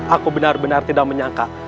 aku benar benar tidak menyangka